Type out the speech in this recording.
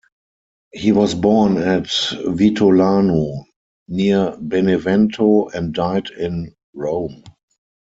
He was born at Vitulano, near Benevento, and died in Rome.